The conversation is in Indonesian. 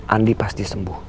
andi pasti sembuh